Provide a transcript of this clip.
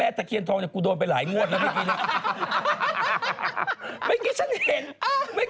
ต้นตะเคียนนะคะมีความยาว